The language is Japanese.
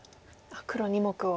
黒２目を。